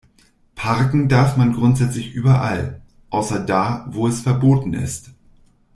Parken darf man grundsätzlich überall, außer da, wo es verboten ist.